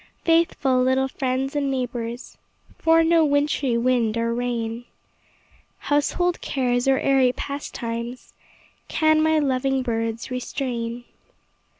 Faithful little friends and neighbors, For no wintry wind or rain, Household cares or airy pastimes, Can my loving birds restrain.